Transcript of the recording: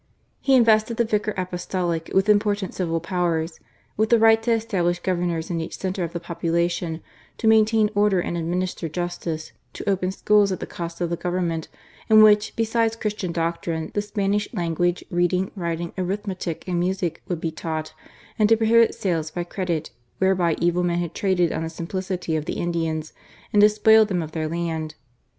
He invested the Vicar Apostolic with important civil powers ; with the right to establish governors in each centre of the population, to maintain order and administer justice ; to open schools at the cost of the Government, in which, besides Christian doctrine, the Spanish language, reading, writing, arithmetic, and music would be taught; and to prohibit sales by credit, whereby evil men had traded on the simplicity of the Indians and despoiled them of their land.